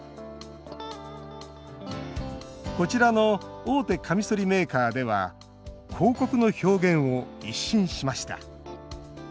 こちらの大手カミソリメーカーでは広告の表現を一新しました